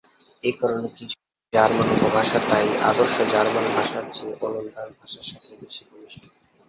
এ কারণে কিছু কিছু জার্মান উপভাষা তাই আদর্শ জার্মান ভাষার চেয়ে ওলন্দাজ ভাষার সাথে বেশি ঘনিষ্ঠ।